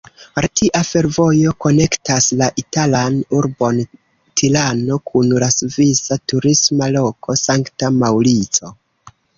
Retia fervojo konektas la italan urbon Tirano kun la svisa turisma loko Sankta Maŭrico.